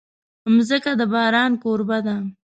مځکه د باران کوربه ده.